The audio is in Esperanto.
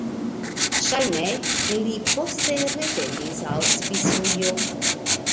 Ŝajne li poste revenis al Svisujo.